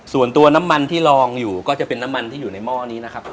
ส่วนตัวน้ำมันที่ลองอยู่ก็จะเป็นน้ำมันที่อยู่ในหม้อนี้นะครับ